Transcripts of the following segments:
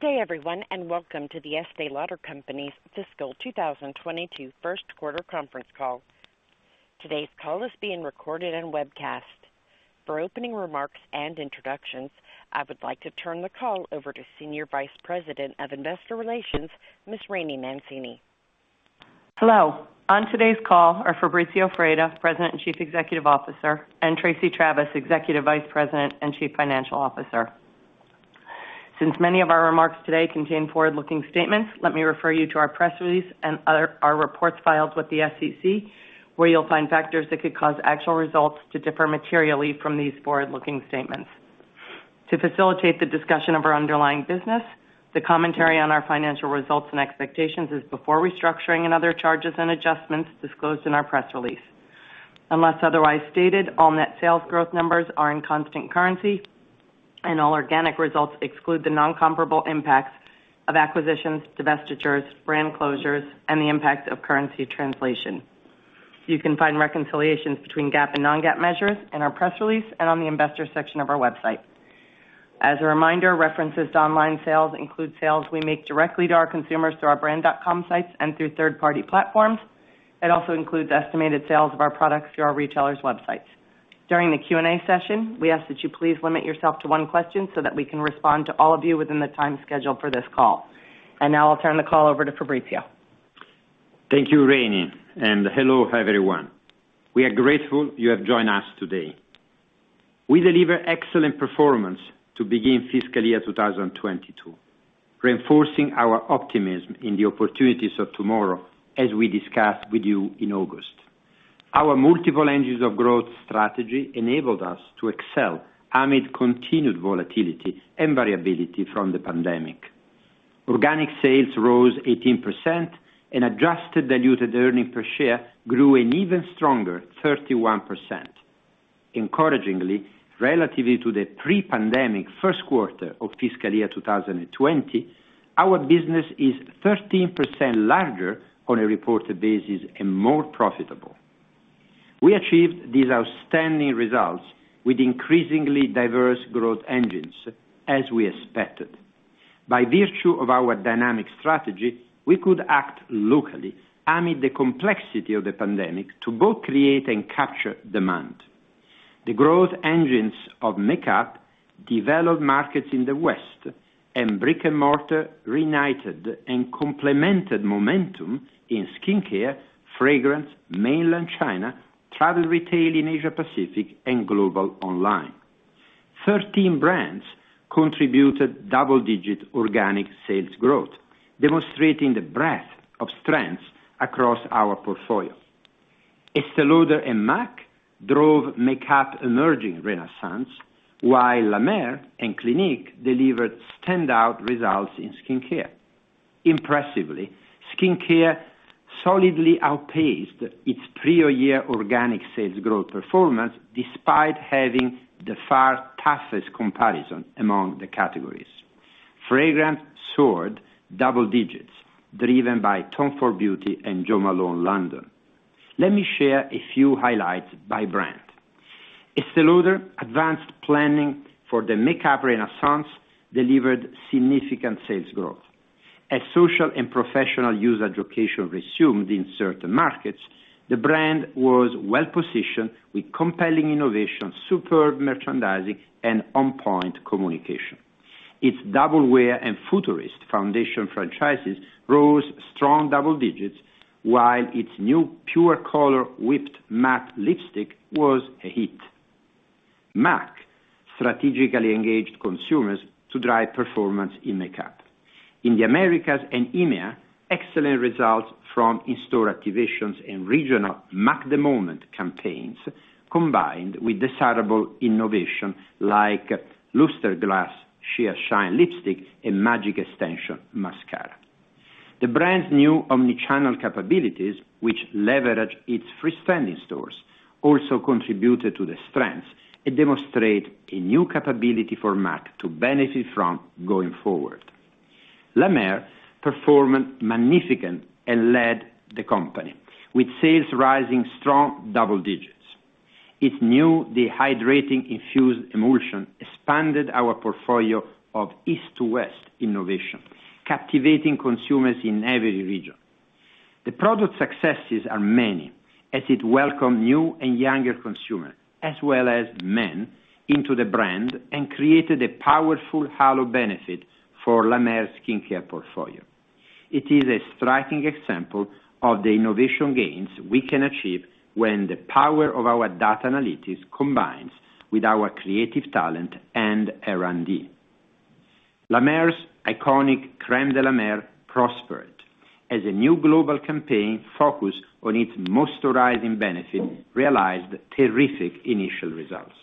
Good day, everyone, and welcome to The Estée Lauder Companies' fiscal 2022 first quarter conference call. Today's call is being recorded and webcast. For opening remarks and introductions, I would like to turn the call over to Senior Vice President of Investor Relations, Ms. Laraine Mancini. Hello. On today's call are Fabrizio Freda, President and Chief Executive Officer, and Tracey Travis, Executive Vice President and Chief Financial Officer. Since many of our remarks today contain forward-looking statements, let me refer you to our press release and other reports filed with the SEC, where you'll find factors that could cause actual results to differ materially from these forward-looking statements. To facilitate the discussion of our underlying business, the commentary on our financial results and expectations is before restructuring and other charges and adjustments disclosed in our press release. Unless otherwise stated, all net sales growth numbers are in constant currency, and all organic results exclude the non-comparable impacts of acquisitions, divestitures, brand closures, and the impact of currency translation. You can find reconciliations between GAAP and non-GAAP measures in our press release and on the investors section of our website. As a reminder, references to online sales include sales we make directly to our consumers through our brand.com sites and through third-party platforms. It also includes estimated sales of our products through our retailers' websites. During the Q&A session, we ask that you please limit yourself to one question so that we can respond to all of you within the time scheduled for this call. Now I'll turn the call over to Fabrizio. Thank you, Laraine, and hello, everyone. We are grateful you have joined us today. We delivered excellent performance to begin fiscal year 2022, reinforcing our optimism in the opportunities of tomorrow as we discussed with you in August. Our multiple engines of growth strategy enabled us to excel amid continued volatility and variability from the pandemic. Organic sales rose 18%, and adjusted diluted earnings per share grew an even stronger 31%. Encouragingly, relative to the pre-pandemic first quarter of fiscal year 2020, our business is 13% larger on a reported basis and more profitable. We achieved these outstanding results with increasingly diverse growth engines, as we expected. By virtue of our dynamic strategy, we could act locally amid the complexity of the pandemic to both create and capture demand. The growth engines of makeup developed markets in the West, and brick-and-mortar reignited and complemented momentum in skincare, fragrance, Mainland China, travel retail in Asia Pacific, and global online. 13 brands contributed double-digit organic sales growth, demonstrating the breadth of strengths across our portfolio. Estée Lauder and M·A·C drove the makeup renaissance, while La Mer and Clinique delivered standout results in skincare. Impressively, skincare solidly outpaced its prior year organic sales growth performance despite having the far toughest comparison among the categories. Fragrance soared double digits, driven by Tom Ford Beauty and Jo Malone London. Let me share a few highlights by brand. Estée Lauder's advanced planning for the makeup renaissance delivered significant sales growth. As social and professional user education resumed in certain markets, the brand was well-positioned with compelling innovation, superb merchandising, and on-point communication. Its Double Wear and Futurist foundation franchises rose strong double digits, while its new Pure Color Whipped Matte Lip Color was a hit. M·A·C strategically engaged consumers to drive performance in makeup, in the Americas and EMEA, excellent results from in-store activations and regional M·A·C The Moment campaigns, combined with desirable innovation like Lustreglass Sheer-Shine Lipstick and Magic Extension 5mm Fibre Mascara. The brand's new omni-channel capabilities, which leverage its freestanding stores, also contributed to the strengths and demonstrate a new capability for M·A·C to benefit from going forward. La Mer performed magnificently and led the company with sales rising strong double digits. Its new Dehydrating Infused Emulsion expanded our portfolio of East to West innovation, captivating consumers in every region. The product successes are many, as it welcomed new and younger consumers, as well as men into the brand and created a powerful halo benefit for La Mer's skincare portfolio. It is a striking example of the innovation gains we can achieve when the power of our data analytics combines with our creative talent and R&D. La Mer's iconic Crème de la Mer prospered, as a new global campaign focused on its moisturizing benefit realized terrific initial results.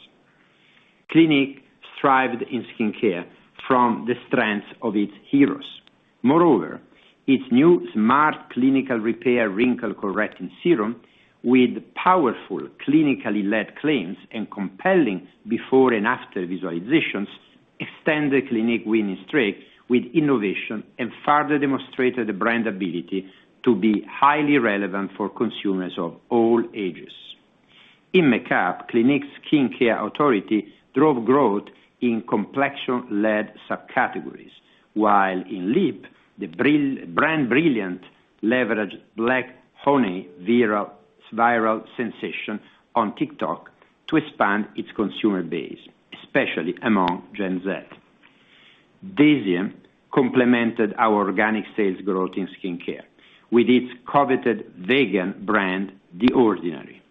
Clinique thrived in skincare from the strength of its heroes. Moreover, its new Smart Clinical Repair Wrinkle Correcting Serum with powerful, clinically led claims and compelling before-and-after visualizations extend the Clinique winning streak with innovation and further demonstrated the brand ability to be highly relevant for consumers of all ages. In makeup, Clinique Skincare Authority drove growth in complexion-led subcategories. While in lip, the brand leveraged Black Honey viral social sensation on TikTok to expand its consumer base, especially among Gen Z. DECIEM complemented our organic sales growth in skincare with its coveted vegan brand, The Ordinary.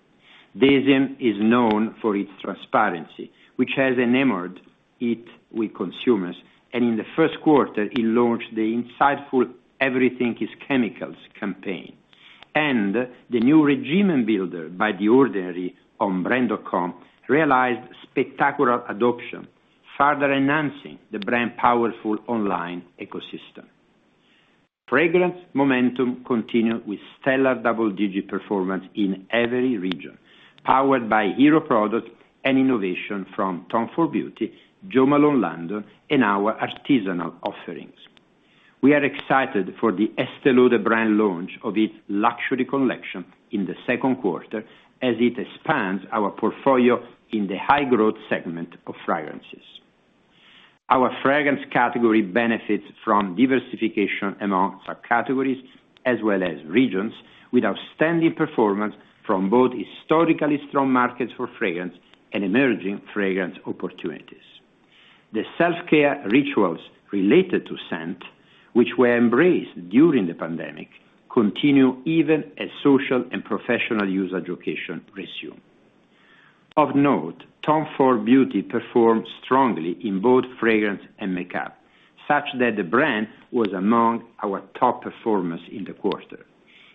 DECIEM is known for its transparency, which has enamored it with consumers. In the first quarter, it launched the insightful Everything is Chemicals campaign. The new regimen builder by The Ordinary on brand.com realized spectacular adoption, further enhancing the brand's powerful online ecosystem. Fragrance momentum continued with stellar double-digit performance in every region, powered by hero products and innovation from Tom Ford Beauty, Jo Malone London, and our artisanal offerings. We are excited for the Estée Lauder brand launch of its Luxury Collection in the second quarter as it expands our portfolio in the high growth segment of fragrances. Our fragrance category benefits from diversification among subcategories as well as regions with outstanding performance from both historically strong markets for fragrance and emerging fragrance opportunities. The self-care rituals related to scent, which were embraced during the pandemic, continue even as social and professional user education resume. Of note, Tom Ford Beauty performed strongly in both fragrance and makeup, such that the brand was among our top performers in the quarter.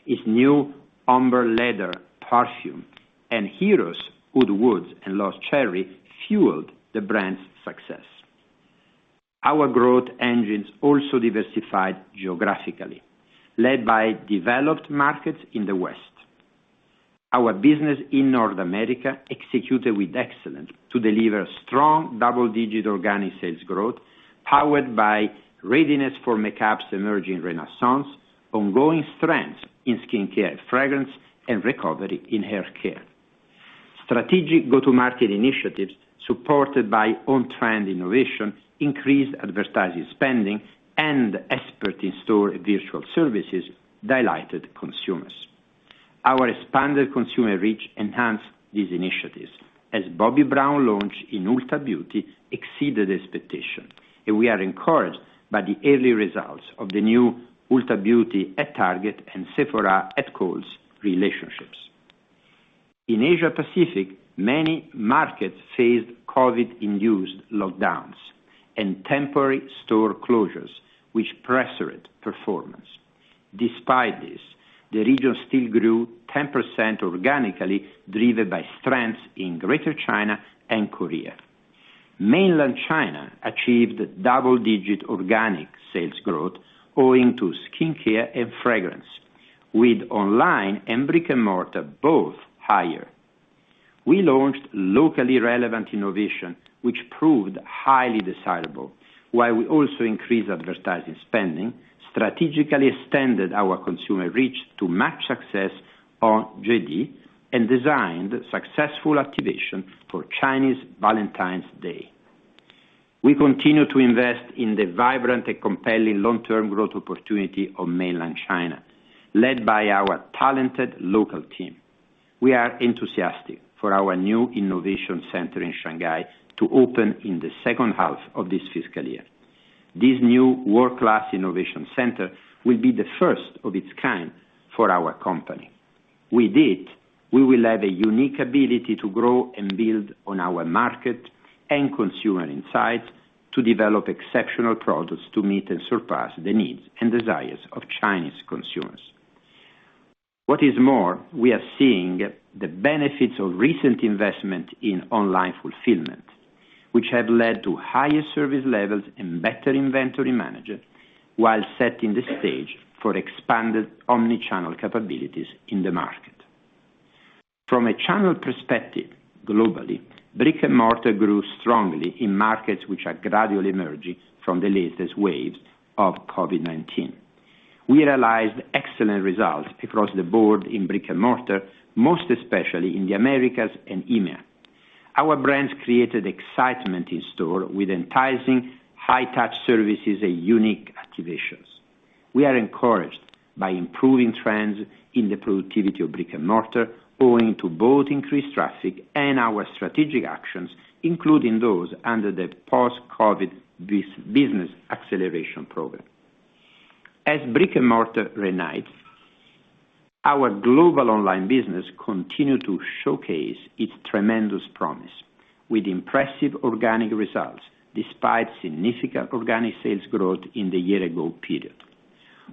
Its new Ombré Leather perfume and heroes Oud Wood and Lost Cherry fueled the brand's success. Our growth engines also diversified geographically, led by developed markets in the West. Our business in North America executed with excellence to deliver strong double-digit organic sales growth, powered by readiness for makeup's emerging makeup renaissance, ongoing strength in skincare, fragrance and recovery in hair care. Strategic go-to-market initiatives supported by on-trend innovation, increased advertising spending and expert in-store virtual services delighted consumers. Our expanded consumer reach enhanced these initiatives as Bobbi Brown launch in Ulta Beauty exceeded expectation, and we are encouraged by the early results of the new Ulta Beauty at Target and Sephora at Kohl's relationships. In Asia Pacific, many markets faced COVID-induced lockdowns and temporary store closures, which pressured performance. Despite this, the region still grew 10% organically, driven by strengths in Greater China and Korea. Mainland China achieved double-digit organic sales growth owing to skincare and fragrance, with online and brick-and-mortar both higher. We launched locally relevant innovation, which proved highly desirable. While we also increased advertising spending, strategically extended our consumer reach to match success on JD, and designed successful activation for Chinese Valentine's Day. We continue to invest in the vibrant and compelling long-term growth opportunity of mainland China, led by our talented local team. We are enthusiastic for our new innovation center in Shanghai to open in the second half of this fiscal year. This new world-class innovation center will be the first of its kind for our company. With it, we will have a unique ability to grow and build on our market and consumer insights to develop exceptional products to meet and surpass the needs and desires of Chinese consumers. What is more, we are seeing the benefits of recent investment in online fulfillment, which have led to higher service levels and better inventory management, while setting the stage for expanded omni-channel capabilities in the market. From a channel perspective, globally, brick-and-mortar grew strongly in markets which are gradually emerging from the latest waves of COVID-19. We realized excellent results across the board in brick-and-mortar, most especially in the Americas and EMEA. Our brands created excitement in store with enticing high-touch services and unique activations. We are encouraged by improving trends in the productivity of brick-and-mortar owing to both increased traffic and our strategic actions, including those under the Post-COVID Business Acceleration Program. As brick-and-mortar reunites, our global online business continues to showcase its tremendous promise with impressive organic results despite significant organic sales growth in the year-ago period.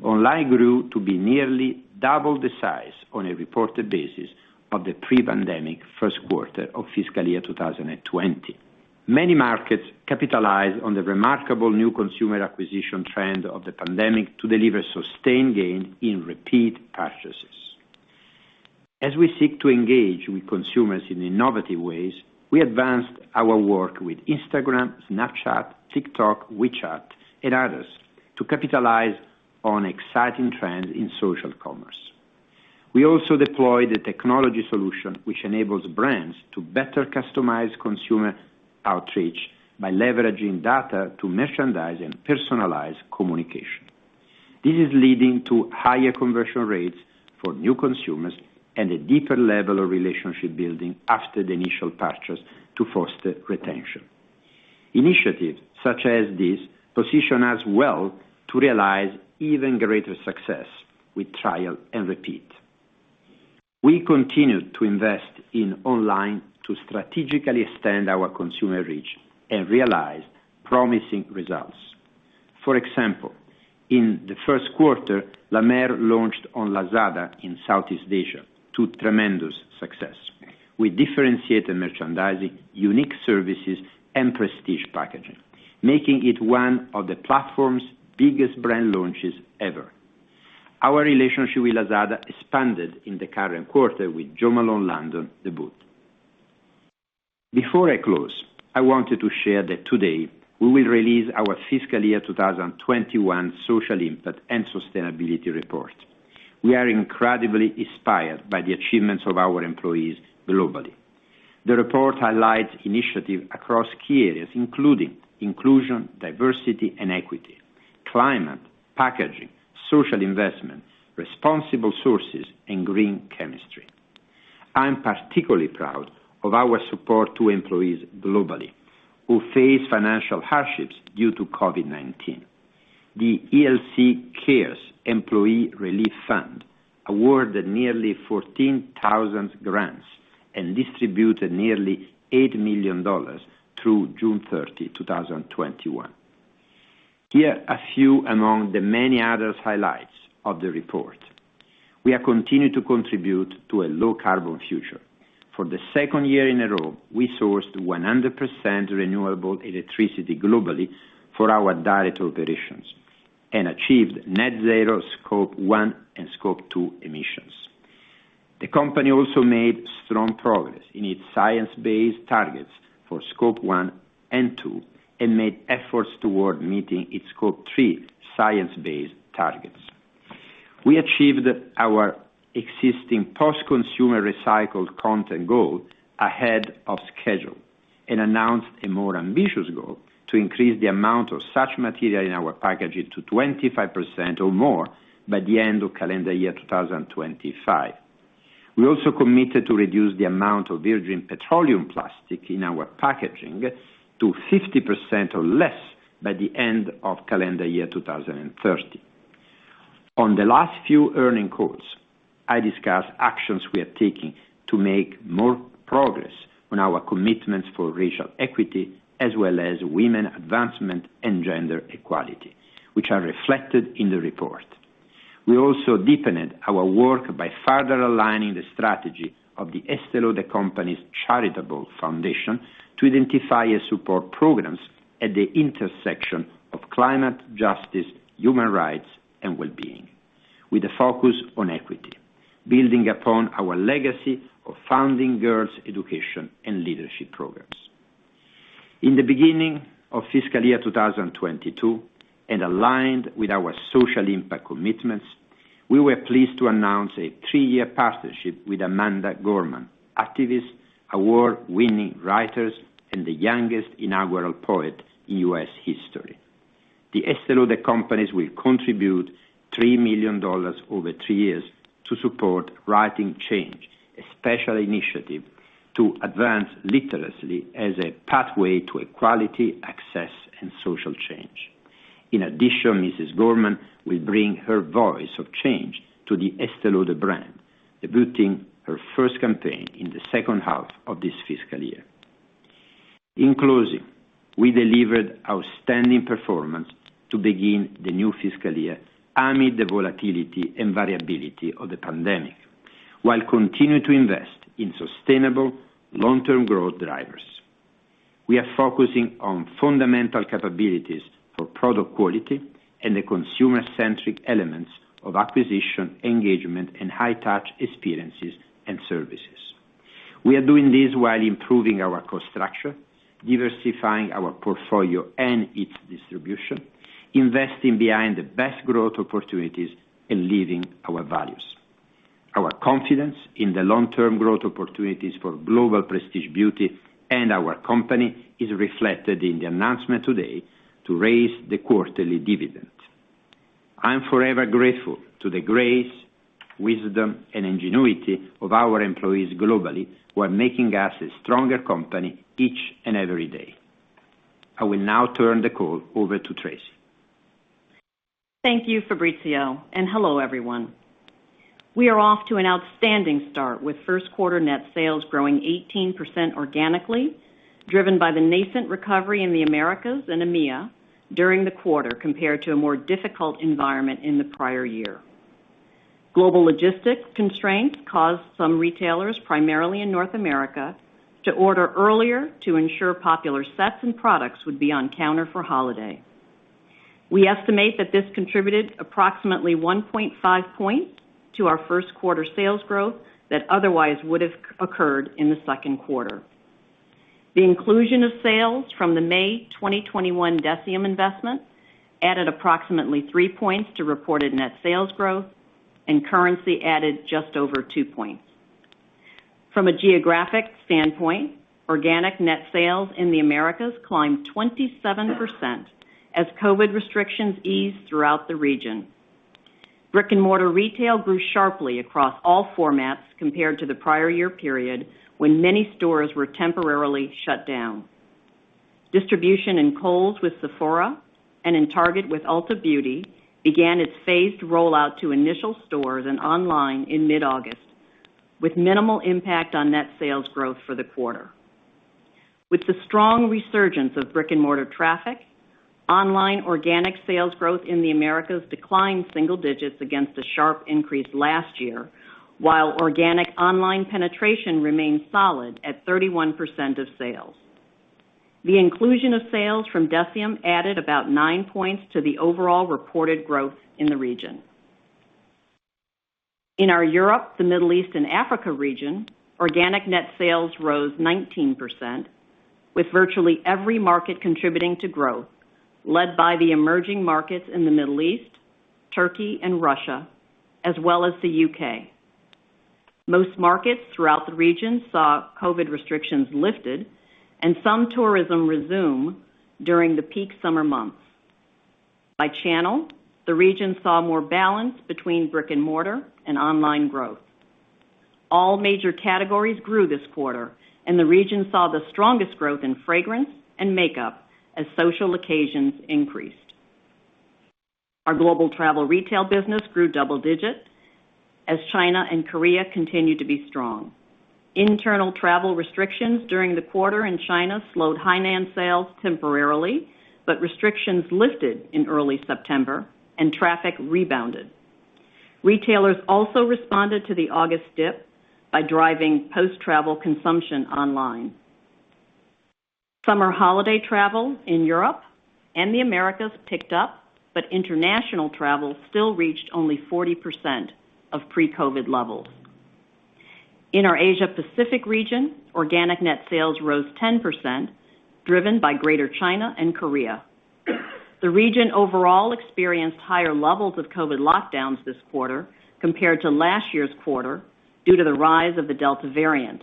Online grew to be nearly double the size on a reported basis of the pre-pandemic first quarter of fiscal year 2020. Many markets capitalized on the remarkable new consumer acquisition trend of the pandemic to deliver sustained gains in repeat purchases. As we seek to engage with consumers in innovative ways, we advanced our work with Instagram, Snapchat, TikTok, WeChat, and others to capitalize on exciting trends in social commerce. We also deployed a technology solution which enables brands to better customize consumer outreach by leveraging data to merchandise and personalize communication. This is leading to higher conversion rates for new consumers and a deeper level of relationship building after the initial purchase to foster retention. Initiatives such as this position us well to realize even greater success with trial and repeat. We continue to invest in online to strategically extend our consumer reach and realize promising results. For example, in the first quarter, La Mer launched on Lazada in Southeast Asia to tremendous success. We differentiated merchandising, unique services, and prestige packaging, making it one of the platform's biggest brand launches ever. Our relationship with Lazada expanded in the current quarter with Jo Malone London debut. Before I close, I wanted to share that today we will release our fiscal year 2021 social impact and sustainability report. We are incredibly inspired by the achievements of our employees globally. The report highlights initiatives across key areas, including inclusion, diversity, and equity, climate, packaging, social investment, responsible sourcing, and green chemistry. I'm particularly proud of our support to employees globally who face financial hardships due to COVID-19. The ELC Cares Employee Relief Fund awarded nearly 14,000 grants and distributed nearly $8 million through June 30, 2021. Here are a few among the many other highlights of the report. We continued to contribute to a low carbon future. For the second year in a row, we sourced 100% renewable electricity globally for our direct operations and achieved Net Zero Scope 1 and Scope 2 emissions. The company also made strong progress in its science-based targets for Scope 1 and 2 and made efforts toward meeting its Scope 3 science-based targets. We achieved our existing post-consumer recycled content goal ahead of schedule and announced a more ambitious goal to increase the amount of such material in our packaging to 25% or more by the end of calendar year 2025. We also committed to reduce the amount of virgin petroleum plastic in our packaging to 50% or less by the end of calendar year 2030. On the last few earnings calls, I discussed actions we are taking to make more progress on our commitments for racial equity as well as women advancement and gender equality, which are reflected in the report. We also deepened our work by further aligning the strategy of The Estée Lauder Companies Charitable Foundation to identify and support programs at the intersection of climate justice, human rights, and wellbeing, with a focus on equity, building upon our legacy of funding girls' education and leadership programs. In the beginning of fiscal year 2022, and aligned with our social impact commitments, we were pleased to announce a three-year partnership with Amanda Gorman, activist, award-winning writer, and the youngest inaugural poet in U.S. history. The Estée Lauder Companies will contribute $3 million over three years to support WRITING CHANGE, a special initiative to advance literacy as a pathway to equality, access, and social change. In addition, Mrs. Gorman will bring her voice of change to the Estée Lauder brand, debuting her first campaign in the second half of this fiscal year. In closing, we delivered outstanding performance to begin the new fiscal year amid the volatility and variability of the pandemic, while continuing to invest in sustainable long-term growth drivers. We are focusing on fundamental capabilities for product quality and the consumer-centric elements of acquisition, engagement, and high-touch experiences and services. We are doing this while improving our cost structure, diversifying our portfolio and its distribution, investing behind the best growth opportunities, and living our values. Our confidence in the long-term growth opportunities for global prestige beauty and our company is reflected in the announcement today to raise the quarterly dividend. I'm forever grateful to the grace, wisdom, and ingenuity of our employees globally who are making us a stronger company each and every day. I will now turn the call over to Tracey. Thank you, Fabrizio, and hello, everyone. We are off to an outstanding start with first quarter net sales growing 18% organically, driven by the nascent recovery in the Americas and EMEA during the quarter compared to a more difficult environment in the prior year. Global logistics constraints caused some retailers, primarily in North America, to order earlier to ensure popular sets and products would be on counter for holiday. We estimate that this contributed approximately 1.5 points to our first quarter sales growth that otherwise would have occurred in the second quarter. The inclusion of sales from the May 2021 DECIEM investment added approximately 3 points to reported net sales growth and currency added just over 2 points. From a geographic standpoint, organic net sales in the Americas climbed 27% as COVID restrictions eased throughout the region. Brick-and-mortar retail grew sharply across all formats compared to the prior year period when many stores were temporarily shut down. Distribution in Kohl's with Sephora and in Target with Ulta Beauty began its phased rollout to initial stores and online in mid-August, with minimal impact on net sales growth for the quarter. With the strong resurgence of brick-and-mortar traffic, online organic sales growth in the Americas declined single digits against a sharp increase last year, while organic online penetration remained solid at 31% of sales. The inclusion of sales from DECIEM added about 9 points to the overall reported growth in the region. In our Europe, the Middle East, and Africa region, organic net sales rose 19%, with virtually every market contributing to growth led by the emerging markets in the Middle East, Turkey and Russia, as well as the U.K. Most markets throughout the region saw COVID restrictions lifted and some tourism resume during the peak summer months. By channel, the region saw more balance between brick-and-mortar and online growth. All major categories grew this quarter, and the region saw the strongest growth in fragrance and makeup as social occasions increased. Our global travel retail business grew double digits as China and Korea continued to be strong. Internal travel restrictions during the quarter in China slowed high-end sales temporarily, but restrictions lifted in early September and traffic rebounded. Retailers also responded to the August dip by driving post-travel consumption online. Summer holiday travel in Europe and the Americas picked up, but international travel still reached only 40% of pre-COVID levels. In our Asia-Pacific region, organic net sales rose 10%, driven by Greater China and Korea. The region overall experienced higher levels of COVID lockdowns this quarter compared to last year's quarter due to the rise of the Delta variant,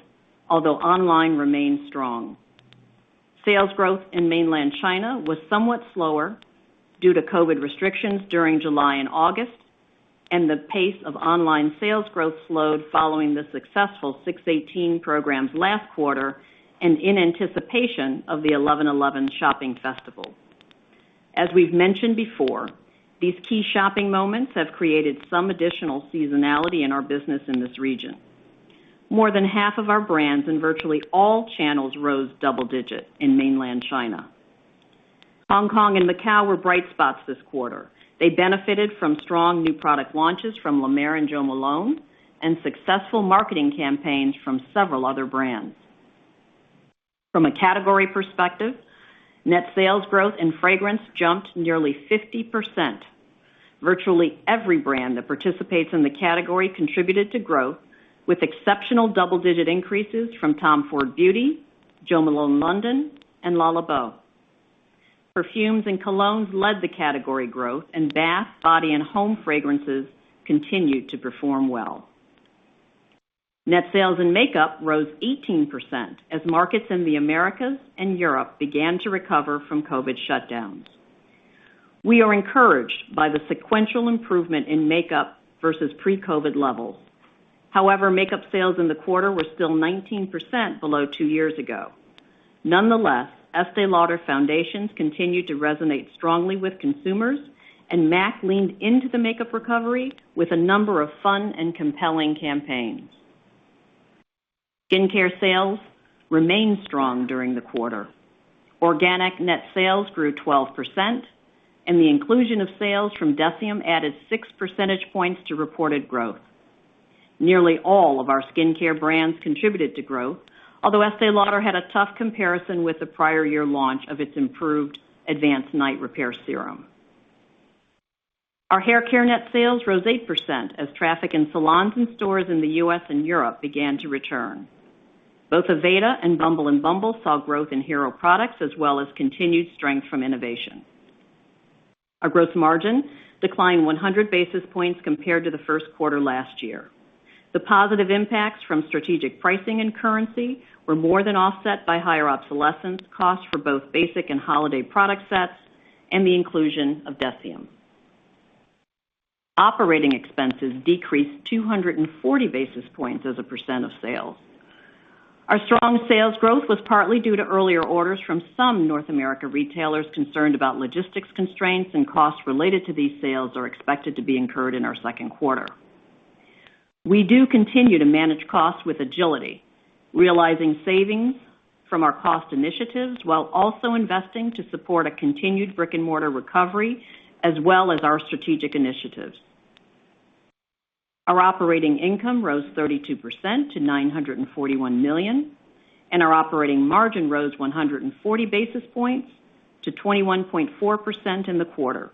although online remained strong. Sales growth in mainland China was somewhat slower due to COVID restrictions during July and August, and the pace of online sales growth slowed following the successful 618 programs last quarter and in anticipation of the 11.11 shopping festival. As we've mentioned before, these key shopping moments have created some additional seasonality in our business in this region. More than half of our brands in virtually all channels rose double digits in mainland China. Hong Kong and Macau were bright spots this quarter. They benefited from strong new product launches from La Mer and Jo Malone and successful marketing campaigns from several other brands. From a category perspective, net sales growth in fragrance jumped nearly 50%. Virtually every brand that participates in the category contributed to growth, with exceptional double-digit increases from Tom Ford Beauty, Jo Malone London and Le Labo. Perfumes and colognes led the category growth, and bath, body and home fragrances continued to perform well. Net sales in makeup rose 18% as markets in the Americas and Europe began to recover from COVID shutdowns. We are encouraged by the sequential improvement in makeup versus pre-COVID levels. However, makeup sales in the quarter were still 19% below two years ago. Nonetheless, Estée Lauder foundations continued to resonate strongly with consumers, and M·A·C leaned into the makeup recovery with a number of fun and compelling campaigns. Skincare sales remained strong during the quarter. Organic net sales grew 12%, and the inclusion of sales from DECIEM added 6 percentage points to reported growth. Nearly all of our skincare brands contributed to growth, although Estée Lauder had a tough comparison with the prior year launch of its improved Advanced Night Repair serum. Our haircare net sales rose 8% as traffic in salons and stores in the U.S. and Europe began to return. Both Aveda and Bumble and bumble. saw growth in hero products as well as continued strength from innovation. Our gross margin declined 100 basis points compared to the first quarter last year. The positive impacts from strategic pricing and currency were more than offset by higher obsolescence costs for both basic and holiday product sets and the inclusion of DECIEM. Operating expenses decreased 240 basis points as a percent of sales. Our strong sales growth was partly due to earlier orders from some North America retailers concerned about logistics constraints, and costs related to these sales are expected to be incurred in our second quarter. We do continue to manage costs with agility, realizing savings from our cost initiatives while also investing to support a continued brick-and-mortar recovery as well as our strategic initiatives. Our operating income rose 32% to $941 million, and our operating margin rose 140 basis points to 21.4% in the quarter.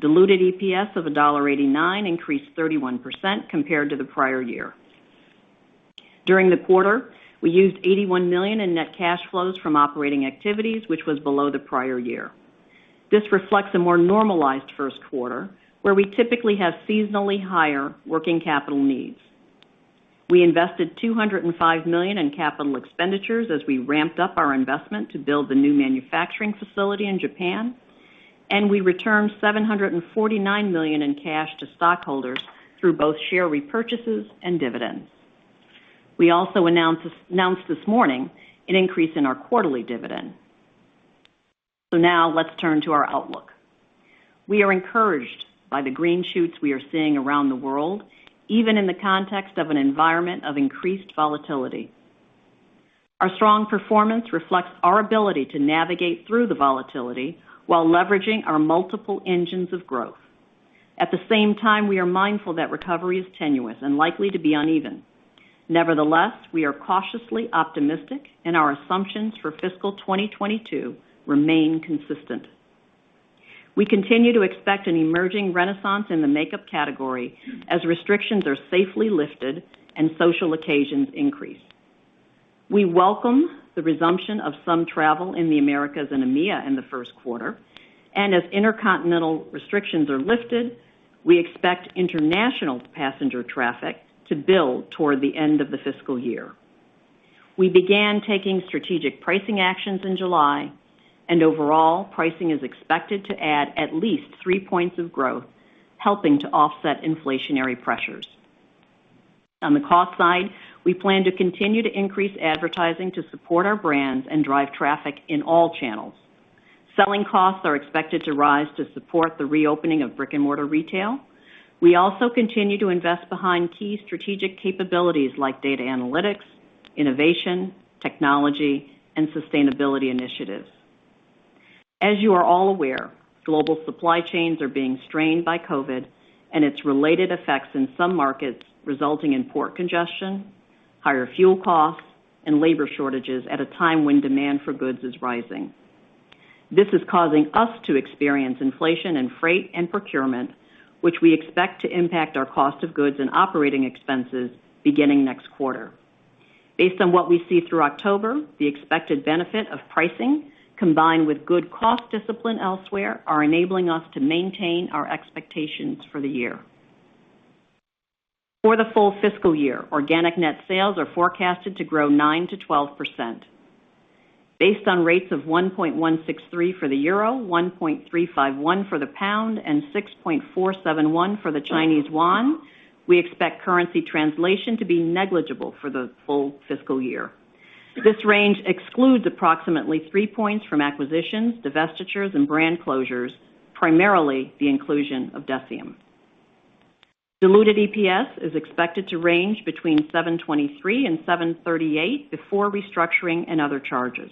Diluted EPS of $1.89 increased 31% compared to the prior year. During the quarter, we used $81 million in net cash flows from operating activities, which was below the prior year. This reflects a more normalized first quarter, where we typically have seasonally higher working capital needs. We invested $205 million in capital expenditures as we ramped up our investment to build the new manufacturing facility in Japan, and we returned $749 million in cash to stockholders through both share repurchases and dividends. We also announced this morning an increase in our quarterly dividend. Now let's turn to our outlook. We are encouraged by the green shoots we are seeing around the world, even in the context of an environment of increased volatility. Our strong performance reflects our ability to navigate through the volatility while leveraging our multiple engines of growth. At the same time, we are mindful that recovery is tenuous and likely to be uneven. Nevertheless, we are cautiously optimistic, and our assumptions for fiscal 2022 remain consistent. We continue to expect an emerging renaissance in the makeup category as restrictions are safely lifted and social occasions increase. We welcome the resumption of some travel in the Americas and EMEA in the first quarter. As intercontinental restrictions are lifted, we expect international passenger traffic to build toward the end of the fiscal year. We began taking strategic pricing actions in July, and overall, pricing is expected to add at least 3 points of growth, helping to offset inflationary pressures. On the cost side, we plan to continue to increase advertising to support our brands and drive traffic in all channels. Selling costs are expected to rise to support the reopening of brick-and-mortar retail. We also continue to invest behind key strategic capabilities like data analytics, innovation, technology, and sustainability initiatives. As you are all aware, global supply chains are being strained by COVID and its related effects in some markets, resulting in port congestion, higher fuel costs, and labor shortages at a time when demand for goods is rising. This is causing us to experience inflation in freight and procurement, which we expect to impact our cost of goods and operating expenses beginning next quarter. Based on what we see through October, the expected benefit of pricing, combined with good cost discipline elsewhere, are enabling us to maintain our expectations for the year. For the full fiscal year, organic net sales are forecasted to grow 9%-12%. Based on rates of 1.163 for the euro, 1.351 for the pound, and 6.471 for the Chinese yuan, we expect currency translation to be negligible for the full fiscal year. This range excludes approximately 3 points from acquisitions, divestitures, and brand closures, primarily the inclusion of DECIEM. Diluted EPS is expected to range between $7.23 and $7.38 before restructuring and other charges.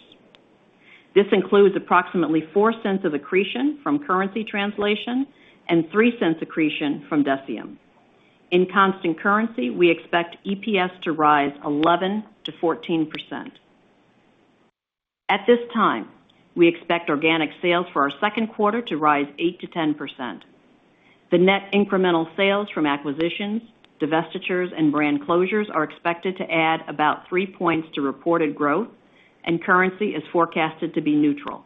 This includes approximately $0.04 of accretion from currency translation and $0.03 accretion from DECIEM. In constant currency, we expect EPS to rise 11%-14%. At this time, we expect organic sales for our second quarter to rise 8%-10%. The net incremental sales from acquisitions, divestitures, and brand closures are expected to add about 3 points to reported growth, and currency is forecasted to be neutral.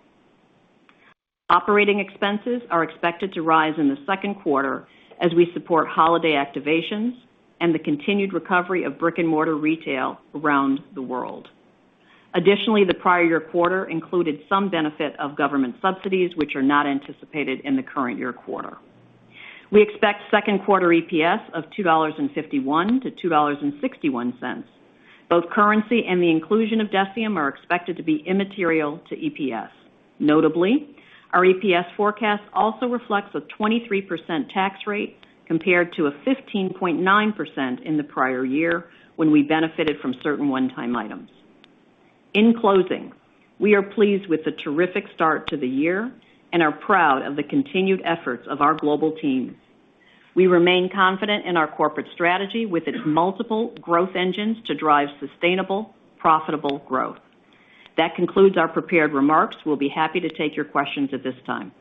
Operating expenses are expected to rise in the second quarter as we support holiday activations and the continued recovery of brick-and-mortar retail around the world. Additionally, the prior year quarter included some benefit of government subsidies, which are not anticipated in the current year quarter. We expect second quarter EPS of $2.51-$2.61. Both currency and the inclusion of DECIEM are expected to be immaterial to EPS. Notably, our EPS forecast also reflects a 23% tax rate compared to a 15.9% in the prior year, when we benefited from certain one-time items. In closing, we are pleased with the terrific start to the year and are proud of the continued efforts of our global teams. We remain confident in our corporate strategy with its multiple growth engines to drive sustainable, profitable growth. That concludes our prepared remarks. We'll be happy to take your questions at this time.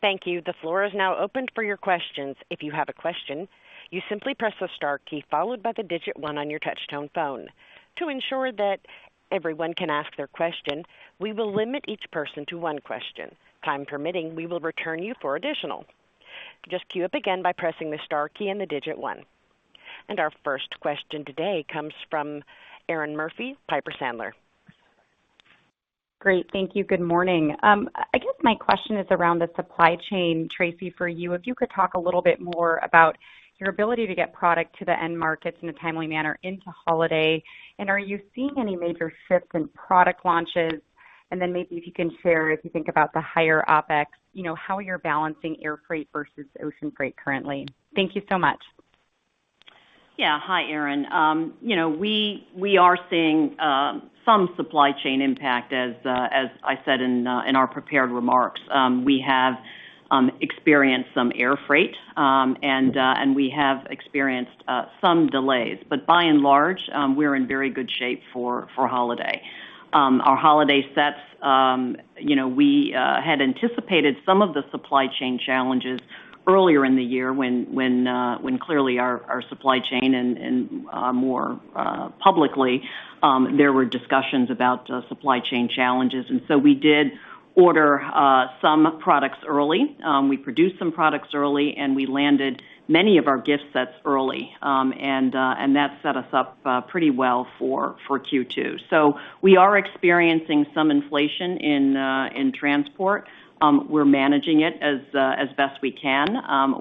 Thank you. The floor is now open for your questions. If you have a question, you simply press the star key followed by the digit one on your touchtone phone. To ensure that everyone can ask their question, we will limit each person to one question. Time permitting, we will return you for additional questions. Just queue up again by pressing the star key and the digit one. Our first question today comes from Erinn Murphy, Piper Sandler. Great. Thank you. Good morning. I guess my question is around the supply chain, Tracey, for you. If you could talk a little bit more about your ability to get product to the end markets in a timely manner into holiday. And then maybe if you can share, if you think about the higher OpEx, you know, how you're balancing air freight versus ocean freight currently. Thank you so much. Yeah. Hi, Erinn. You know, we are seeing some supply chain impact as I said in our prepared remarks. We have experienced some air freight, and we have experienced some delays. By and large, we're in very good shape for holiday. Our holiday sets, you know, we had anticipated some of the supply chain challenges earlier in the year when clearly our supply chain and more publicly there were discussions about supply chain challenges. We did order some products early. We produced some products early, and we landed many of our gift sets early. That set us up pretty well for Q2. We are experiencing some inflation in transport. We're managing it as best we can.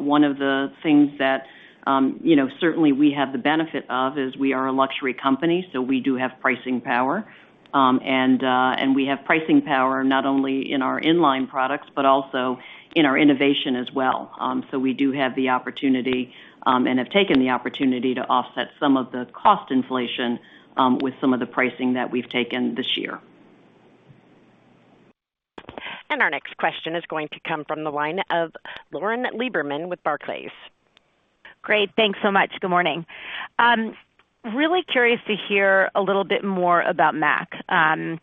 One of the things that, you know, certainly we have the benefit of is we are a luxury company, so we do have pricing power. We have pricing power not only in our inline products, but also in our innovation as well. We do have the opportunity, and have taken the opportunity to offset some of the cost inflation, with some of the pricing that we've taken this year. Our next question is going to come from the line of Lauren Lieberman with Barclays. Great. Thanks so much. Good morning. Really curious to hear a little bit more about M·A·C.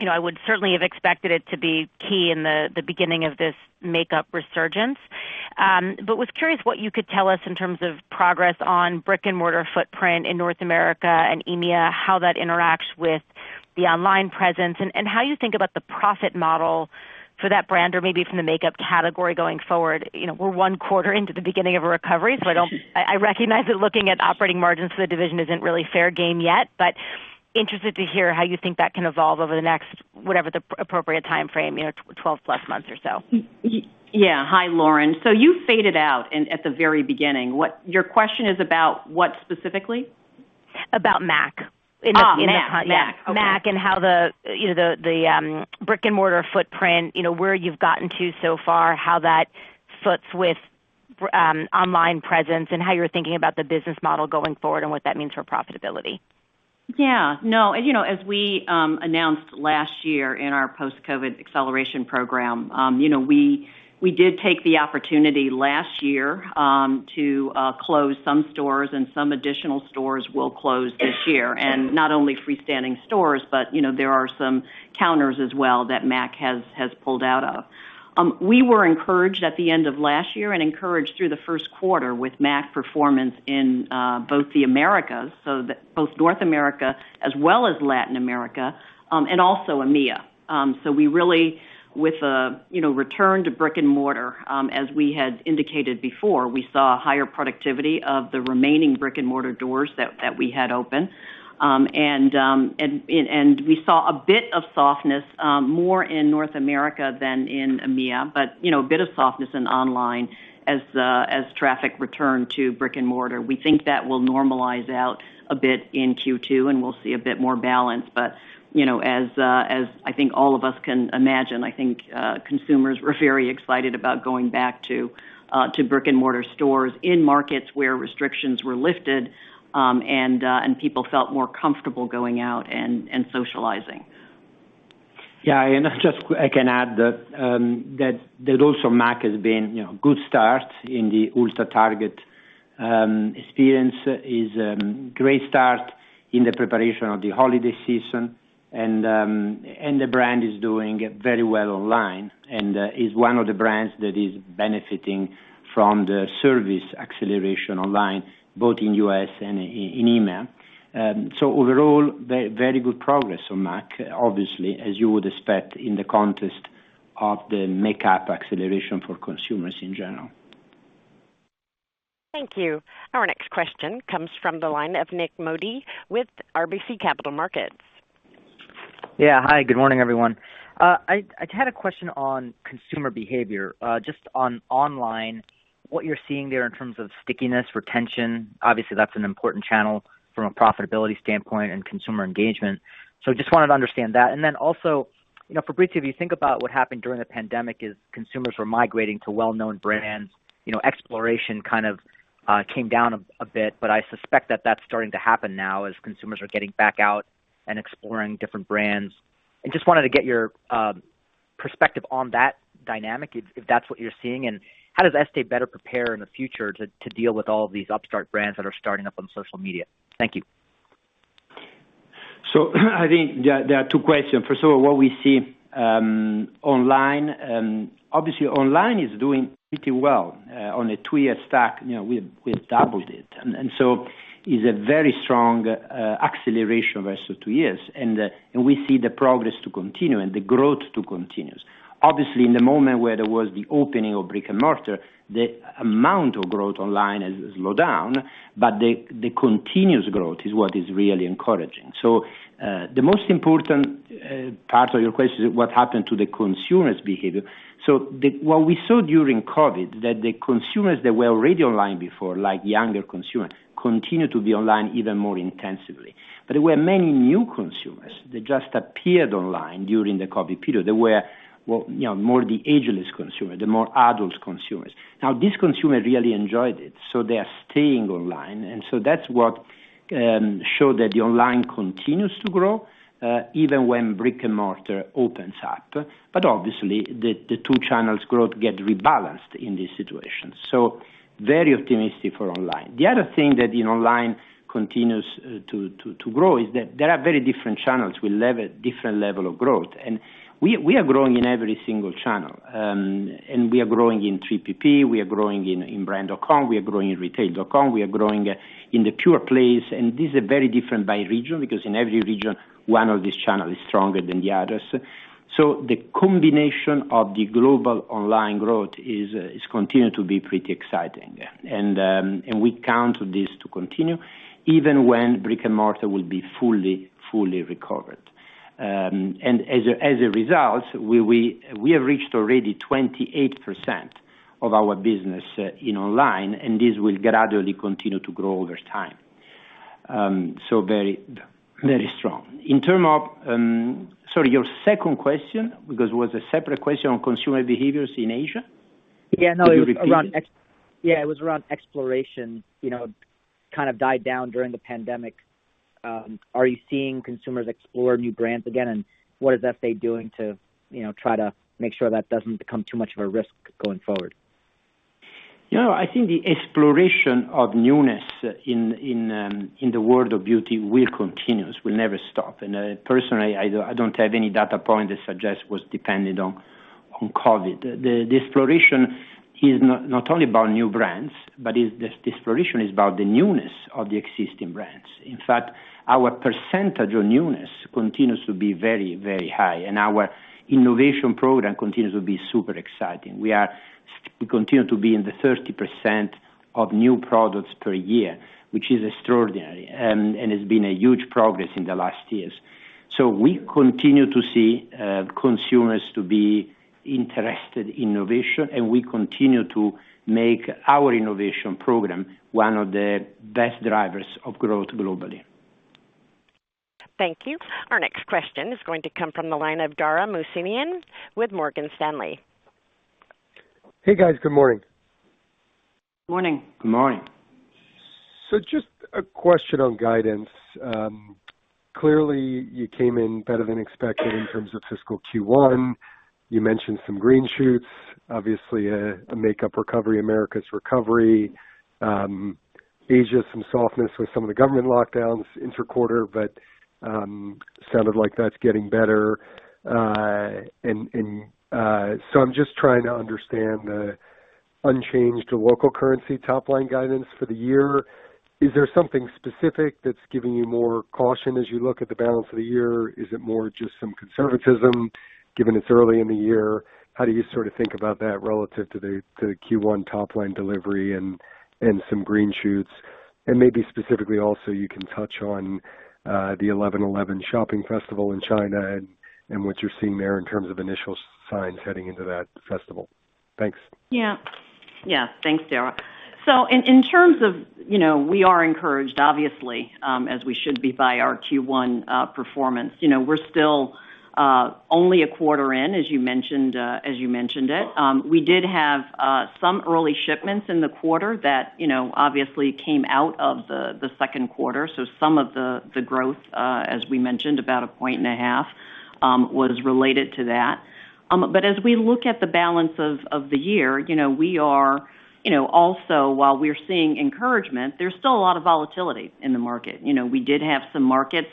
You know, I would certainly have expected it to be key in the beginning of this makeup resurgence. But was curious what you could tell us in terms of progress on brick-and-mortar footprint in North America and EMEA, how that interacts with the online presence and how you think about the profit model for that brand or maybe from the makeup category going forward. You know, we're one quarter into the beginning of a recovery, so I don't. I recognize that looking at operating margins for the division isn't really fair game yet, but interested to hear how you think that can evolve over the next, whatever the appropriate timeframe, you know, 12+ months or so. Yeah. Hi, Lauren. You faded out at the very beginning. Your question is about what specifically? About M·A·C. M·A·C. M·A·C. Okay. M·A·C and how the you know brick-and-mortar footprint you know where you've gotten to so far how that fits with online presence and how you're thinking about the business model going forward and what that means for profitability? Yeah. No, you know, as we announced last year in our Post-COVID Business Acceleration Program, you know, we did take the opportunity last year to close some stores, and some additional stores will close this year. Not only freestanding stores, but you know, there are some counters as well that M·A·C has pulled out of. We were encouraged at the end of last year and encouraged through the first quarter with M·A·C performance in both the Americas, both North America as well as Latin America, and also EMEA. We really, with return to brick-and-mortar, as we had indicated before, saw higher productivity of the remaining brick-and-mortar doors that we had open. We saw a bit of softness, more in North America than in EMEA, but you know, a bit of softness in online as traffic returned to brick-and-mortar. We think that will normalize out a bit in Q2, and we'll see a bit more balance. You know, as I think all of us can imagine, I think consumers were very excited about going back to brick-and-mortar stores in markets where restrictions were lifted, and people felt more comfortable going out and socializing. I can add that M·A·C has been, you know, a good start in the Ulta and Target. The experience is a great start in the preparation of the holiday season. The brand is doing very well online and is one of the brands that is benefiting from the sales acceleration online, both in the U.S. and in EMEA. Overall, very good progress on M·A·C, obviously, as you would expect in the context of the makeup acceleration for consumers in general. Thank you. Our next question comes from the line of Nik Modi with RBC Capital Markets. Yeah. Hi, good morning, everyone. I had a question on consumer behavior. Just on online, what you're seeing there in terms of stickiness, retention. Obviously, that's an important channel from a profitability standpoint and consumer engagement. Just wanted to understand that. Then also, you know, Fabrizio, if you think about what happened during the pandemic is consumers were migrating to well-known brands. You know, exploration kind of came down a bit, but I suspect that that's starting to happen now as consumers are getting back out and exploring different brands. I just wanted to get your perspective on that dynamic if that's what you're seeing. How does Estée Lauder better prepare in the future to deal with all of these upstart brands that are starting up on social media? Thank you. I think there are two questions. First of all, what we see online. Obviously online is doing pretty well. On a two-year stack, you know, we've doubled it. And so is a very strong acceleration versus two years. And we see the progress to continue and the growth to continues. Obviously, in the moment where there was the opening of brick-and-mortar, the amount of growth online has slowed down, but the continuous growth is what is really encouraging. The most important part of your question is what happened to the consumers' behavior. What we saw during COVID, that the consumers that were already online before, like younger consumers, continued to be online even more intensively. There were many new consumers that just appeared online during the COVID period. They were, well, you know, more the ageless consumer, the more adult consumers. Now, these consumers really enjoyed it, so they are staying online. That's what show that the online continues to grow, even when brick-and-mortar opens up. Obviously, the two channels growth get rebalanced in this situation. Very optimistic for online. The other thing that in online continues to grow is that there are very different channels with different level of growth. We are growing in every single channel. We are growing in 3PP, we are growing in brand.com, we are growing in retail.com, we are growing in the pure play. This is very different by region because in every region, one of these channel is stronger than the others. The combination of the global online growth is continue to be pretty exciting. We count this to continue even when brick-and-mortar will be fully recovered. As a result, we have reached already 28% of our business in online, and this will gradually continue to grow over time. Very strong. In terms of. Sorry, your second question, because it was a separate question on consumer behaviors in Asia. Yeah, no, it was around ex- Could you repeat it? Yeah, it was around exploration, you know, kind of died down during the pandemic. Are you seeing consumers explore new brands again? What is that they are doing to, you know, try to make sure that doesn't become too much of a risk going forward? No, I think the exploration of newness in the world of beauty will continue, will never stop. Personally, I don't have any data point that suggests was dependent on COVID. The exploration is not only about new brands, but this exploration is about the newness of the existing brands. In fact, our percentage of newness continues to be very high, and our innovation program continues to be super exciting. We continue to be in the 30% of new products per year, which is extraordinary and has been a huge progress in the last years. We continue to see consumers to be interested in innovation, and we continue to make our innovation program one of the best drivers of growth globally. Thank you. Our next question is going to come from the line of Dara Mohsenian with Morgan Stanley. Hey, guys. Good morning. Morning. Good morning. Just a question on guidance. Clearly, you came in better than expected in terms of fiscal Q1. You mentioned some green shoots, obviously a makeup recovery, Americas recovery, Asia, some softness with some of the government lockdowns inter-quarter, but sounded like that's getting better. I'm just trying to understand the unchanged local currency top line guidance for the year. Is there something specific that's giving you more caution as you look at the balance of the year? Is it more just some conservatism given it's early in the year? How do you sort of think about that relative to the Q1 top-line delivery and some green shoots? Maybe specifically also you can touch on the 11.11 Global Shopping Festival in China and what you're seeing there in terms of initial signs heading into that festival. Thanks. Yeah. Thanks, Dara. In terms of, you know, we are encouraged obviously, as we should be by our Q1 performance. You know, we're still only a quarter in, as you mentioned. We did have some early shipments in the quarter that, you know, obviously came out of the second quarter. Some of the growth, as we mentioned, about 1.5, was related to that. But as we look at the balance of the year, you know, we are also while we're seeing encouragement, there's still a lot of volatility in the market. You know, we did have some markets,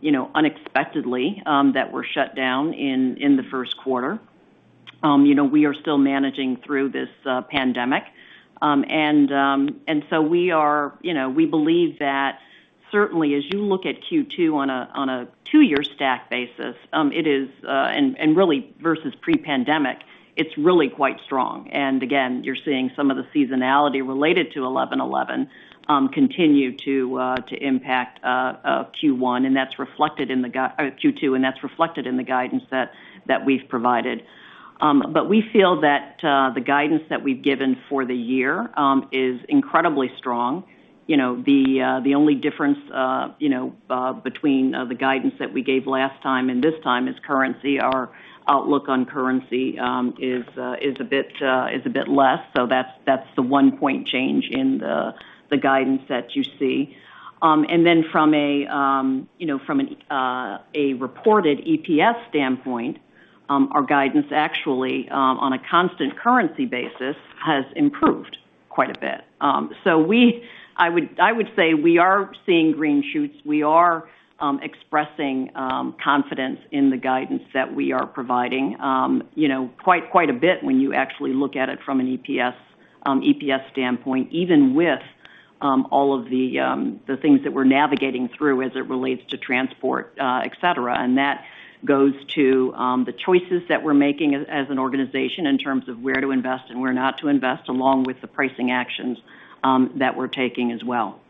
you know, unexpectedly, that were shut down in the first quarter. You know, we are still managing through this pandemic. We are, you know, we believe that certainly as you look at Q2 on a two-year stack basis, it is, and really versus pre-pandemic, it's really quite strong. You're seeing some of the seasonality related to 11.11 continue to impact Q1 or Q2, and that's reflected in the guidance that we've provided. We feel that the guidance that we've given for the year is incredibly strong. You know, the only difference you know between the guidance that we gave last time and this time is currency. Our outlook on currency is a bit less. That's the 1 point change in the guidance that you see. From a reported EPS standpoint, our guidance actually on a constant currency basis has improved quite a bit. I would say we are seeing green shoots. We are expressing confidence in the guidance that we are providing, you know, quite a bit when you actually look at it from an EPS standpoint, even with all of the things that we're navigating through as it relates to transport, et cetera. That goes to the choices that we're making as an organization in terms of where to invest and where not to invest, along with the pricing actions that we're taking as well.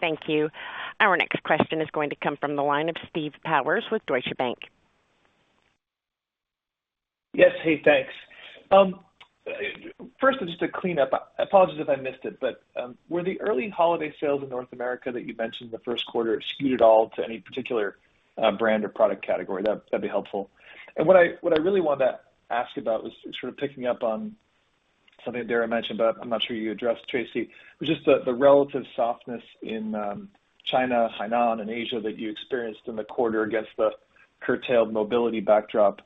Thank you. Our next question is going to come from the line of Steve Powers with Deutsche Bank. Yes. Hey, thanks. First, just to clean up, apologies if I missed it, but were the early holiday sales in North America that you mentioned in the first quarter skewed at all to any particular brand or product category? That'd be helpful. What I really wanted to ask about was sort of picking up on something Dara mentioned, but I'm not sure you addressed, Tracey, was just the relative softness in China, Hainan and Asia that you experienced in the quarter against the Curtailed mobility backdrop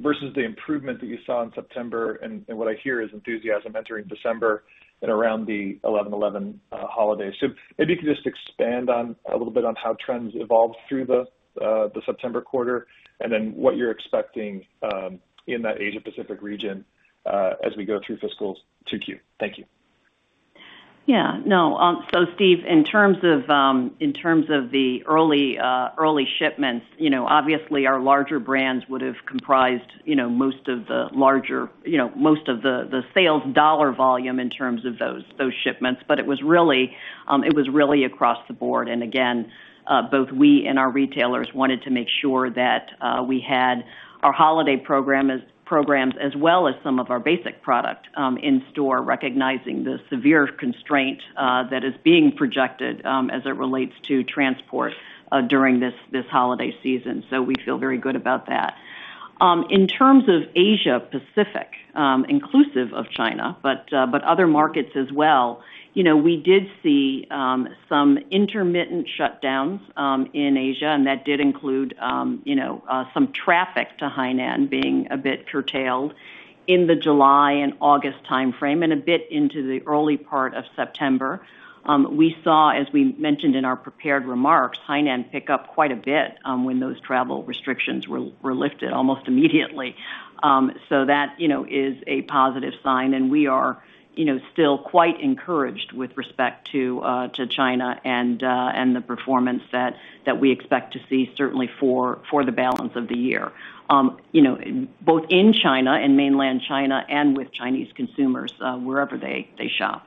versus the improvement that you saw in September, and what I hear is enthusiasm entering December and around the 11.11 holidays. Maybe you could just expand on a little bit on how trends evolved through the September quarter, and then what you're expecting in that Asia Pacific region as we go through fiscal 2Q. Thank you. Steve, in terms of the early shipments, you know, obviously our larger brands would have comprised, you know, most of the larger, you know, most of the sales dollar volume in terms of those shipments. It was really across the board. Again, both we and our retailers wanted to make sure that we had our holiday programs as well as some of our basic product in store, recognizing the severe constraint that is being projected as it relates to transport during this holiday season. We feel very good about that. In terms of Asia Pacific, inclusive of China, but other markets as well, you know, we did see some intermittent shutdowns in Asia, and that did include, you know, some traffic to Hainan being a bit curtailed in the July and August timeframe and a bit into the early part of September. We saw, as we mentioned in our prepared remarks, Hainan pick up quite a bit when those travel restrictions were lifted almost immediately. So that, you know, is a positive sign, and we are, you know, still quite encouraged with respect to China and the performance that we expect to see certainly for the balance of the year, you know, both in China, in mainland China and with Chinese consumers wherever they shop.